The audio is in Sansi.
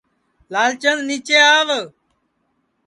لال چند نِیچے آو